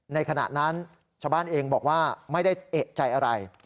ขณะนั้นชาวบ้านเองบอกว่าไม่ได้เอกใจอะไร